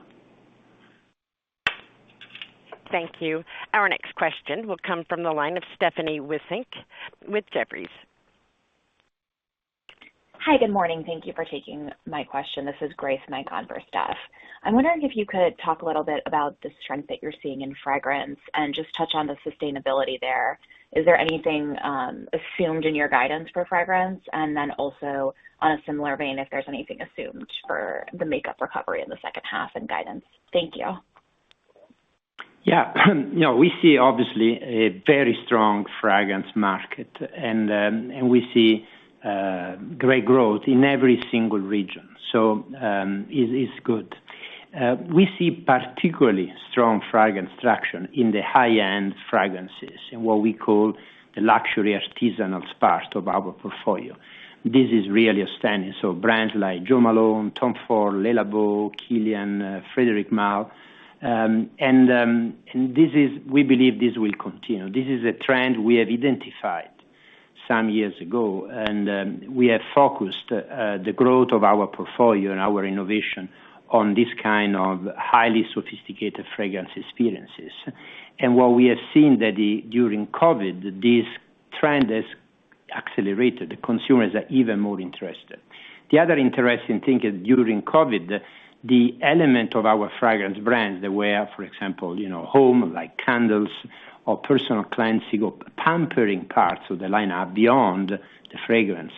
Thank you. Our next question will come from the line of Stephanie Wissink with Jefferies. Hi. Good morning. Thank you for taking my question. This is Grace, on her behalf. I'm wondering if you could talk a little bit about the strength that you're seeing in fragrance and just touch on the sustainability there. Is there anything assumed in your guidance for fragrance? Also on a similar vein, if there's anything assumed for the makeup recovery in the second half and guidance. Thank you. Yeah. No, we see obviously a very strong fragrance market, and we see great growth in every single region, so it is good. We see particularly strong fragrance traction in the high-end fragrances in what we call the luxury artisanal space of our portfolio. This is really outstanding. Brands like Jo Malone, Tom Ford, Le Labo, Kilian, Frédéric Malle, and we believe this will continue. This is a trend we have identified some years ago, and we have focused the growth of our portfolio and our innovation on this kind of highly sophisticated fragrance experiences. What we have seen that during COVID, this trend has accelerated. The consumers are even more interested. The other interesting thing is during COVID, the element of our fragrance brands that were, for example, you know, home, like candles or personal cleansing or pampering parts of the lineup beyond the fragrance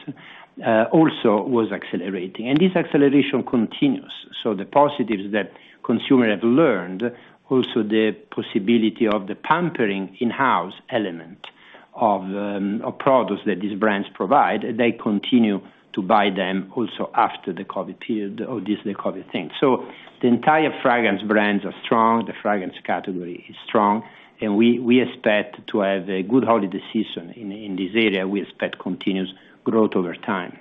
also was accelerating, and this acceleration continues. The positives that consumers have learned, also the possibility of the pampering in-house element of products that these brands provide, they continue to buy them also after the COVID period or this COVID thing. The entire fragrance brands are strong, the fragrance category is strong, and we expect to have a good holiday season in this area. We expect continuous growth over time.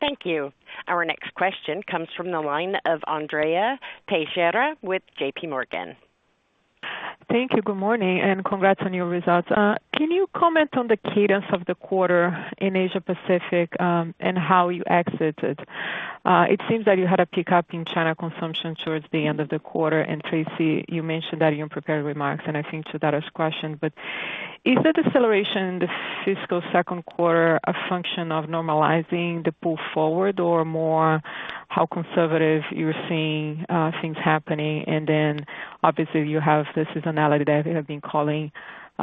Thank you. Our next question comes from the line of Andrea Teixeira with JPMorgan. Thank you. Good morning, and congrats on your results. Can you comment on the cadence of the quarter in Asia Pacific, and how you exited? It seems that you had a pickup in China consumption towards the end of the quarter. Tracey, you mentioned that in your prepared remarks, and I think that's the question. Is the deceleration in the fiscal second quarter a function of normalizing the pull forward or more how conservative you're being, things happening? Obviously you have the seasonality that we have been calling for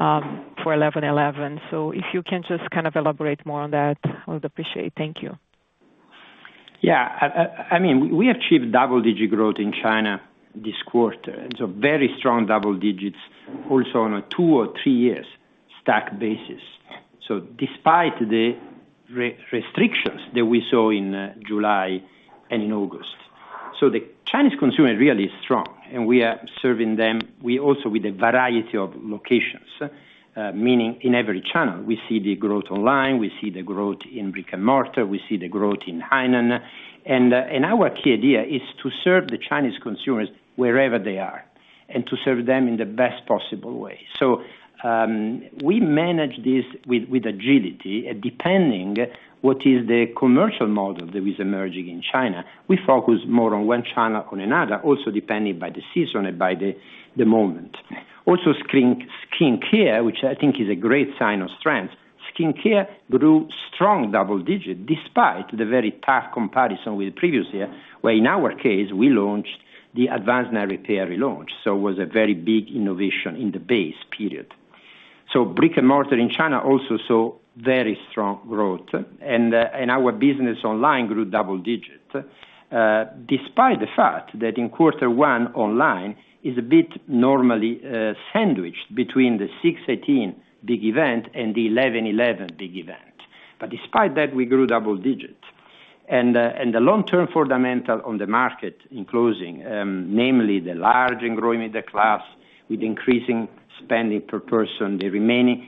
11.11. If you can just kind of elaborate more on that, I would appreciate. Thank you. Yeah. I mean, we achieved double-digit growth in China this quarter. Very strong double digits also on a two or three years stack basis. Despite the restrictions that we saw in July and in August. The Chinese consumer is really strong, and we are serving them. We also with a variety of locations, meaning in every channel, we see the growth online, we see the growth in brick-and-mortar, we see the growth in Hainan. Our key idea is to serve the Chinese consumers wherever they are and to serve them in the best possible way. We manage this with agility. Depending what is the commercial model that is emerging in China, we focus more on one channel on another, also depending by the season and by the moment. Skincare, which I think is a great sign of strength. Skincare grew strong double-digit despite the very tough comparison with the previous year, where in our case we launched the Advanced Night Repair relaunch. It was a very big innovation in the base period. Brick-and-mortar in China also saw very strong growth. Our business online grew double digits despite the fact that in quarter one online is a bit normally sandwiched between the 618 big event and the 11.11 big event. Despite that, we grew double digits. The long-term fundamentals on the market in China, namely the large and growing middle class with increasing spending per person, remain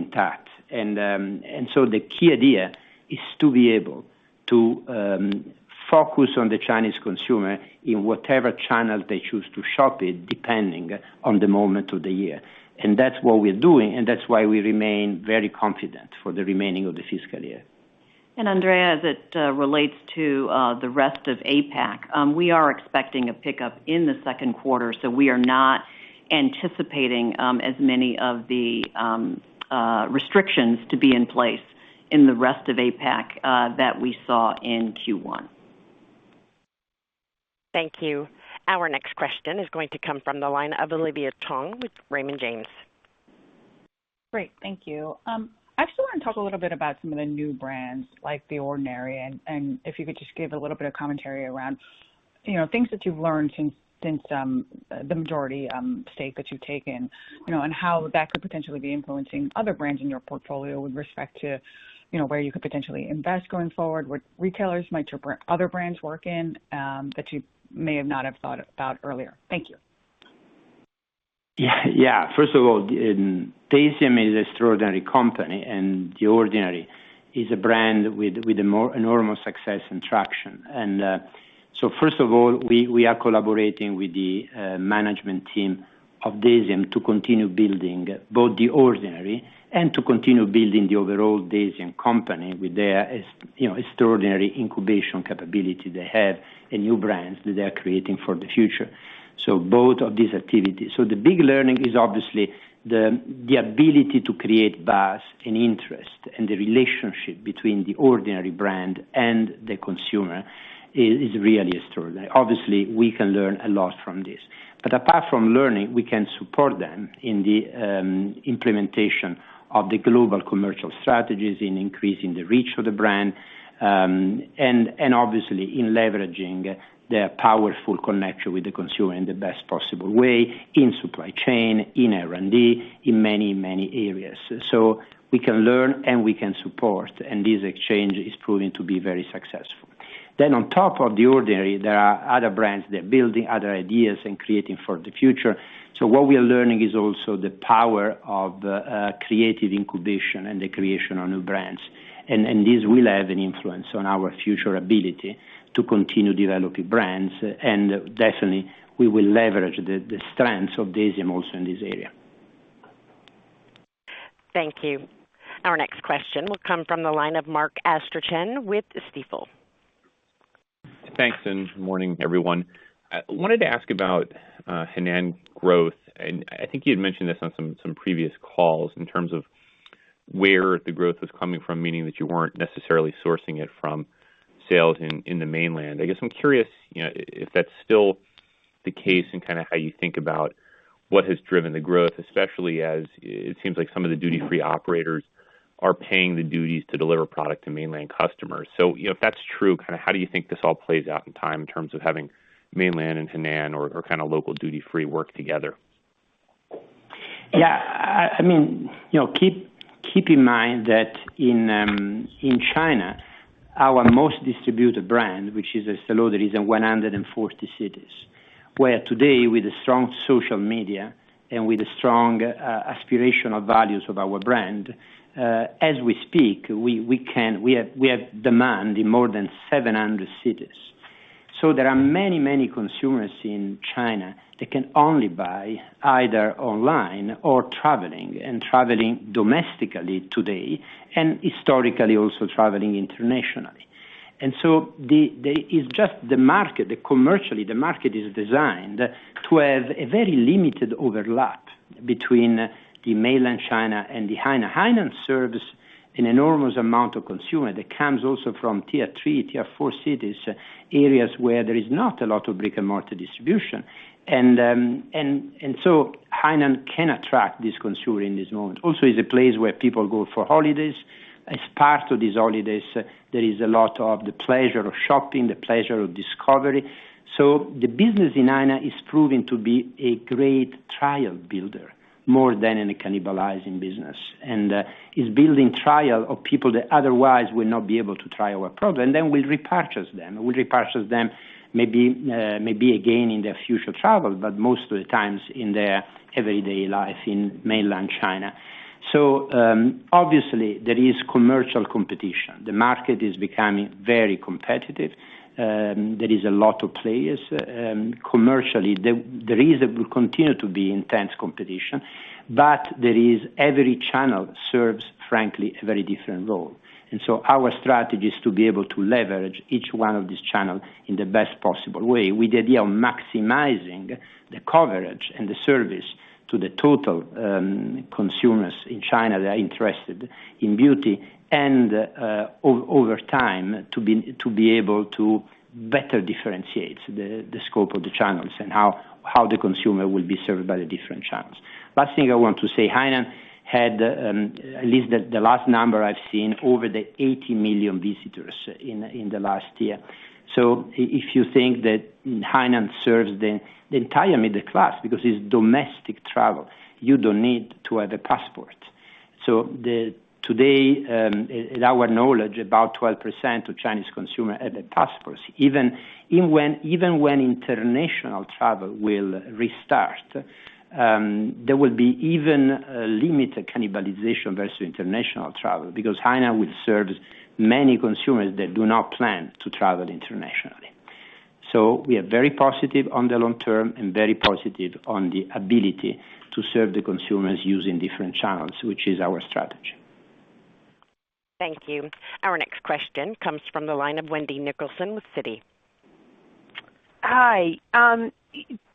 intact. The key idea is to be able to focus on the Chinese consumer in whatever channel they choose to shop it, depending on the moment of the year. That's what we're doing, and that's why we remain very confident for the remaining of the fiscal year. Andrea, as it relates to the rest of APAC, we are expecting a pickup in the second quarter, so we are not anticipating as many of the restrictions to be in place in the rest of APAC that we saw in Q1. Thank you. Our next question is going to come from the line of Olivia Tong with Raymond James. Great. Thank you. I just wanna talk a little bit about some of the new brands like The Ordinary, and if you could just give a little bit of commentary around, you know, things that you've learned since the majority stake that you've taken, you know, and how that could potentially be influencing other brands in your portfolio with respect to, you know, where you could potentially invest going forward, what retailers might your other brands work in, that you may not have thought about earlier. Thank you. First of all, DECIEM is an extraordinary company, and The Ordinary is a brand with a more enormous success and traction. We are collaborating with the management team of DECIEM to continue building both The Ordinary and to continue building the overall DECIEM company with their you know, extraordinary incubation capability they have and new brands that they are creating for the future. Both of these activities. The big learning is obviously the ability to create buzz and interest, and the relationship between The Ordinary brand and the consumer is really extraordinary. Obviously, we can learn a lot from this. Apart from learning, we can support them in the implementation of the global commercial strategies in increasing the reach of the brand, and obviously in leveraging their powerful connection with the consumer in the best possible way in supply chain, in R&D, in many areas. We can learn, and we can support, and this exchange is proving to be very successful. On top of The Ordinary, there are other brands they're building, other ideas, and creating for the future. What we are learning is also the power of creative incubation and the creation of new brands. This will have an influence on our future ability to continue developing brands. Definitely, we will leverage the strengths of DECIEM also in this area. Thank you. Our next question will come from the line of Mark Astrachan with Stifel. Thanks, morning, everyone. I wanted to ask about Hainan growth. I think you'd mentioned this on some previous calls in terms of where the growth was coming from, meaning that you weren't necessarily sourcing it from sales in the mainland. I guess I'm curious, you know, if that's still the case and kinda how you think about what has driven the growth, especially as it seems like some of the duty-free operators are paying the duties to deliver product to mainland customers. You know, if that's true, kinda how do you think this all plays out in time in terms of having mainland and Hainan or kinda local duty-free work together? Yeah. I mean, you know, keep in mind that in China, our most distributed brand, which is Estée Lauder, is in 140 cities. Where today with a strong social media and with a strong aspirational values of our brand, as we speak, we can have demand in more than 700 cities. There are many consumers in China that can only buy either online or traveling, and traveling domestically today, and historically also traveling internationally. It's just the market, commercially, the market is designed to have a very limited overlap between the Mainland China and the Hainan. Hainan serves an enormous amount of consumer that comes also from tier three, tier four cities, areas where there is not a lot of brick-and-mortar distribution. Hainan can attract this consumer in this moment. Hainan also is a place where people go for holidays. As part of these holidays, there is a lot of the pleasure of shopping, the pleasure of discovery. The business in Hainan is proving to be a great trial builder more than any cannibalizing business. It's building trial of people that otherwise would not be able to try our product, and then we'll repurchase them. We'll repurchase them maybe again in their future travel, but most of the times in their everyday life in mainland China. Obviously there is commercial competition. The market is becoming very competitive. There is a lot of players. Commercially, there is and will continue to be intense competition, but every channel serves, frankly, a very different role. Our strategy is to be able to leverage each one of these channel in the best possible way with the idea of maximizing the coverage and the service to the total, consumers in China that are interested in beauty and, over time, to be able to better differentiate the scope of the channels and how the consumer will be served by the different channels. Last thing I want to say, Hainan had, at least the last number I've seen, over 80 million visitors in the last year. If you think that Hainan serves the entire middle class because it's domestic travel, you don't need to have a passport. Today, in our knowledge, about 12% of Chinese consumer had a passport. Even when international travel will restart, there will be even a limited cannibalization versus international travel because Hainan will serve many consumers that do not plan to travel internationally. We are very positive on the long term and very positive on the ability to serve the consumers using different channels, which is our strategy. Thank you. Our next question comes from the line of Wendy Nicholson with Citi. Hi.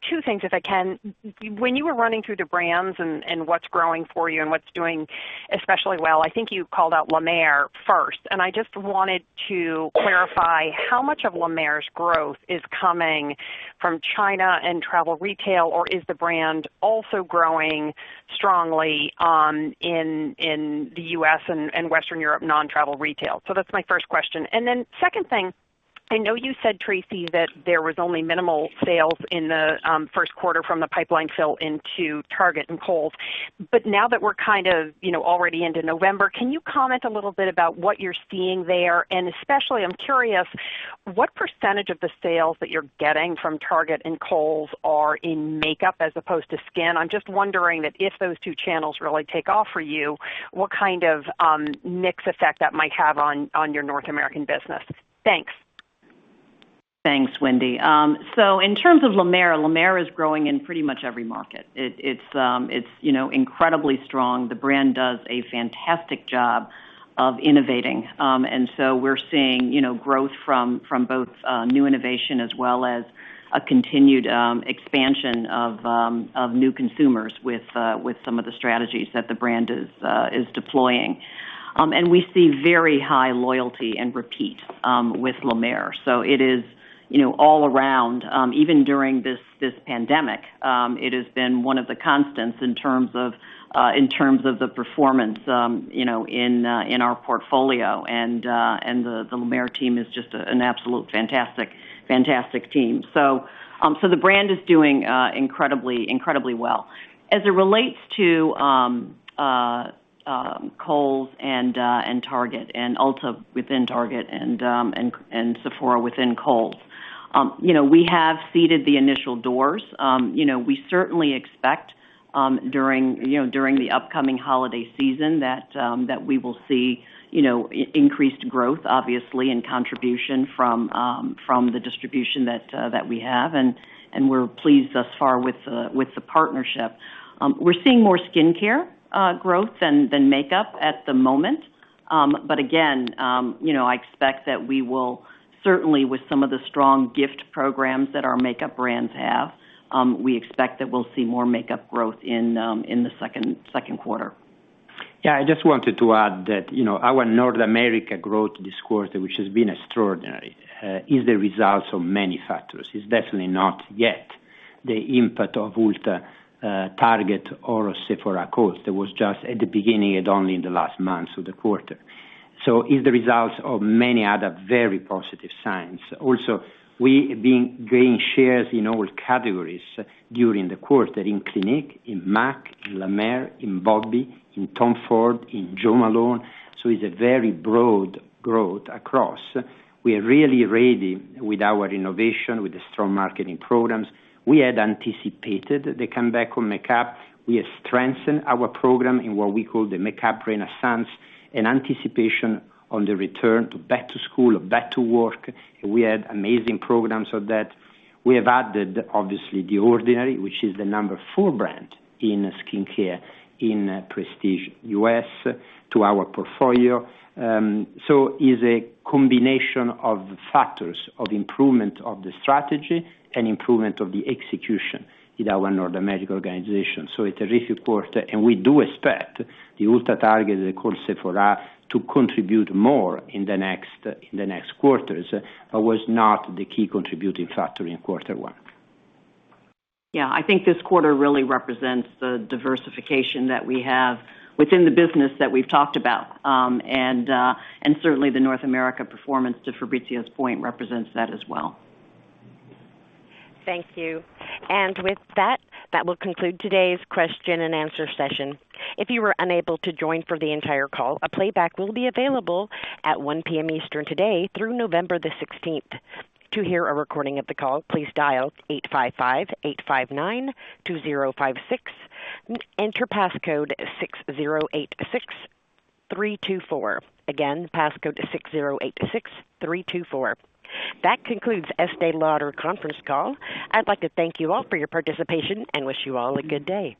Two things, if I can. When you were running through the brands and what's growing for you and what's doing especially well, I think you called out La Mer first, and I just wanted to clarify how much of La Mer's growth is coming from China and travel retail, or is the brand also growing strongly in the U.S. and Western Europe non-travel retail? That's my first question. Then second thing, I know you said, Tracey, that there was only minimal sales in the first quarter from the pipeline fill into Target and Kohl's. Now that we're kind of, you know, already into November, can you comment a little bit about what you're seeing there? Especially, I'm curious what percentage of the sales that you're getting from Target and Kohl's are in makeup as opposed to skin? I'm just wondering that if those two channels really take off for you, what kind of mix effect that might have on your North American business? Thanks. Thanks, Wendy. In terms of La Mer, La Mer is growing in pretty much every market. It's, you know, incredibly strong. The brand does a fantastic job of innovating. We're seeing, you know, growth from both new innovation as well as a continued expansion of new consumers with some of the strategies that the brand is deploying. We see very high loyalty and repeat with La Mer. It is, you know, all around, even during this pandemic, it has been one of the constants in terms of the performance, you know, in our portfolio. The La Mer team is just an absolute fantastic team. The brand is doing incredibly well. As it relates to Kohl's and Target and Ulta within Target and Sephora within Kohl's, you know, we have seeded the initial doors. You know, we certainly expect during the upcoming holiday season that we will see increased growth, obviously, and contribution from the distribution that we have. We're pleased thus far with the partnership. We're seeing more skincare growth than makeup at the moment. Again, you know, I expect that we will certainly with some of the strong gift programs that our makeup brands have, we expect that we'll see more makeup growth in the second quarter. Yeah. I just wanted to add that, you know, our North America growth this quarter, which has been extraordinary, is the result of many factors. It's definitely not yet the impact of Ulta, Target or Sephora, Kohl's. That was just at the beginning and only in the last month of the quarter. It's the result of many other very positive signs. Also, we gain shares in all categories during the quarter in Clinique, in M·A·C, in La Mer, in Bobbi, in Tom Ford, in Jo Malone. It's a very broad growth across. We are really ready with our innovation, with the strong marketing programs. We had anticipated the comeback on makeup. We have strengthened our program in what we call the makeup renaissance, an anticipation on the return to back to school or back to work. We had amazing programs of that. We have added, obviously, The Ordinary, which is the number four brand in skincare in prestige U.S. to our portfolio. It's a combination of factors of improvement of the strategy and improvement of the execution in our North America organization. It's a terrific quarter, and we do expect the Ulta, Target and of course Sephora to contribute more in the next quarters. It was not the key contributing factor in quarter one. Yeah. I think this quarter really represents the diversification that we have within the business that we've talked about. Certainly the North America performance, to Fabrizio's point, represents that as well. Thank you. With that will conclude today's question and answer session. If you were unable to join for the entire call, a playback will be available at 1:00 P.M. Eastern today through November 16th. To hear a recording of the call, please dial 855-859-2056. Enter passcode 6086324. Again, passcode 6086324. That concludes Estée Lauder conference call. I'd like to thank you all for your participation and wish you all a good day.